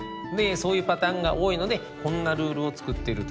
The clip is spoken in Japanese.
そういうパターンが多いのでこんなルールを作っているということです。